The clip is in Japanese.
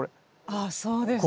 ああそうですね。